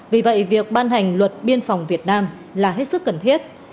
vì vậy việc ban hành luật biên phòng việt nam là hết sức cần thiết